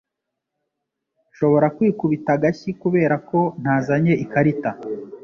Nshobora kwikubita agashyi kubera ko ntazanye ikarita